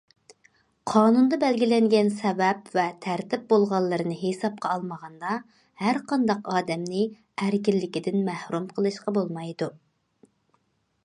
قانۇندا بەلگىلەنگەن سەۋەب ۋە تەرتىپ بولغانلىرىنى ھېسابقا ئالمىغاندا، ھەرقانداق ئادەمنى ئەركىنلىكىدىن مەھرۇم قىلىشقا بولمايدۇ.